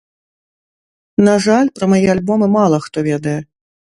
На жаль, пра мае альбомы мала хто ведае.